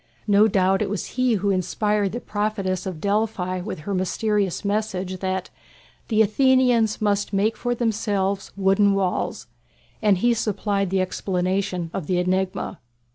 No doubt it was he who inspired the prophetess of Delphi with her mysterious message that "the Athenians must make for themselves wooden walls," and he supplied the explanation of the enigma.